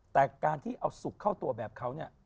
แต่การที่เอาสุกเข้าตัวแบบเขาเนี่ย